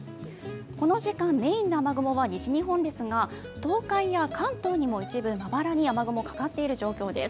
この時間、メインの雨雲は西日本ですが、東海や関東にも一部まばらに雨雲かかっている状況です。